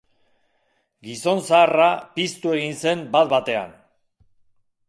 Gizon zaharra piztu egin zen bat-batean.